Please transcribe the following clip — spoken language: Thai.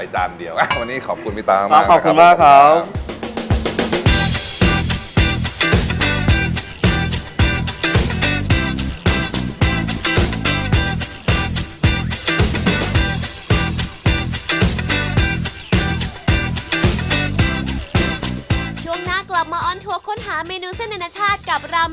อ๋อจานเดียวใช่ไหมใช้จานเดียว